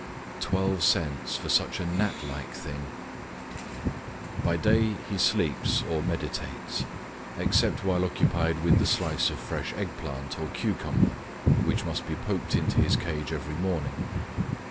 Twelve cents for such a gnat like thing !... By day he sleeps or meditates, except while occu pied with the slice of fresh egg plant or cucumber which must be poked into his cage every morn ing.